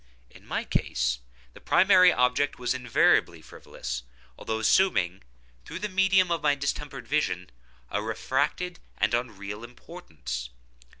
In my case, the primary object was invariably frivolous, although assuming, through the medium of my distempered vision, a refracted and unreal importance.